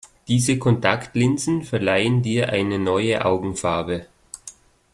Diese Kontaktlinsen verleihen dir eine neue Augenfarbe.